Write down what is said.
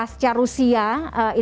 yang dikhawatirkan adalah